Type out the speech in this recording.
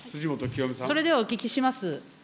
それではお聞きします。